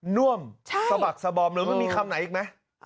น่วมสะบักสะบอมเลยมันมีคำไหนอีกไหม